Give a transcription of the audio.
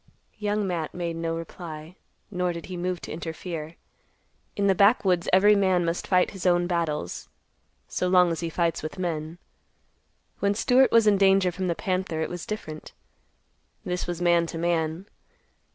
Young Matt made no reply, nor did he move to interfere. In the backwoods every man must fight his own battles, so long as he fights with men. When Stewart was in danger from the panther, it was different. This was man to man.